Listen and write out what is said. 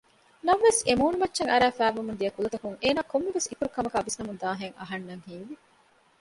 ނަމަވެސް އެމޫނުމައްޗަށް އަރައި ފައިބަމުން ދިޔަ ކުލަތަކުން އޭނާ ކޮންމެވެސް އިތުރު ކަމަކާ ވިސްނަމުންދާހެން އަހަންނަށް ހީވި